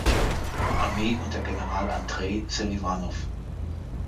Armee unter General Andrei Seliwanow.